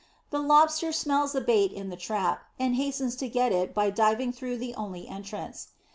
The Lobster smells the bait in the trap, and hastens to get to it by diving through the only entrance.